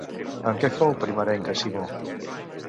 En què fou primerenca Simó?